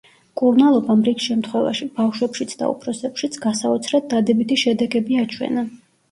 მკურნალობამ რიგ შემთხვევაში, ბავშვებშიც და უფროსებშიც, გასაოცრად დადებითი შედეგები აჩვენა.